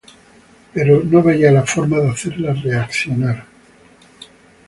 Pero no veía la forma de hacerla reaccionar